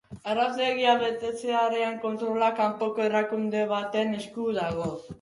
Arautegia betetzearen kontrola kanpoko erakunde baten esku dago.